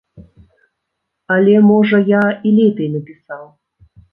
Але, можа, я і лепей напісаў.